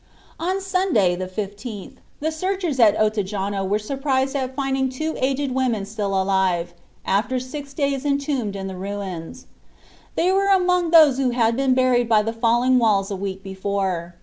On Sunday, the 15th, the searchers at Ottejano were surprised at finding two aged women still alive, after six days' entombment in the ruins. They were among those who had been buried by the falling walls a week before.